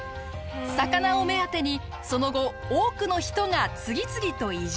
魚を目当てにその後多くの人が次々と移住。